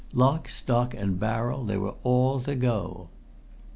Lock, stock and barrel, they were all to go."